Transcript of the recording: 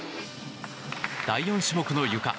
第４種目のゆか。